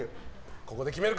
ここで決めるか？